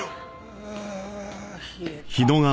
ああ冷えた。